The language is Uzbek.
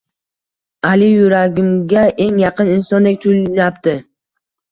Ali yuragimga eng yaqin insondek tuyulyapti